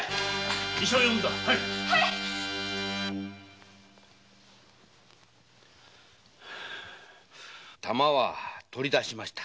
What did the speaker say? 医者を早く弾は取り出しました。